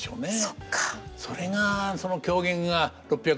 そっか。